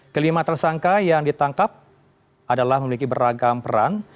kelima tersangka yang ditangkap adalah memiliki beragam peran